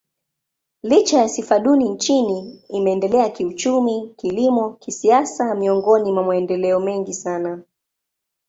Licha ya sifa duni nchini, imeendelea kiuchumi, kilimo, kisiasa miongoni mwa maendeleo mengi sana.